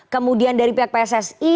kemudian dari pihak pssi